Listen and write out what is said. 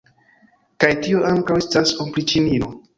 Kaj tio ankaŭ estas opriĉnino!